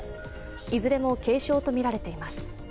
いずれも軽傷とみられています。